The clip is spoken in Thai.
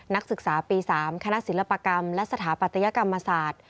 นักศึกษาปี๓คณะศิลปกรรมและสถาปัตยกรรมศาสตร์